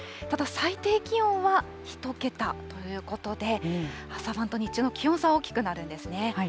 ただ、最低気温は１桁ということで、朝晩と日中の気温差、大きくなるんですね。